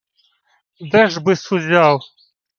— Де ж би-с узяв?